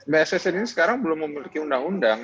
bssn ini sekarang belum memiliki undang undang